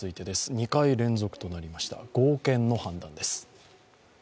２回連続となりました、合憲の判断です。